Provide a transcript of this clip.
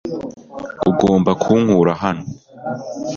Ugomba kunkura hano .